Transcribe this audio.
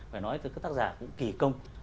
phải nói cho các tác giả cũng kỳ công